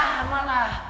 ini udah pasti sama lah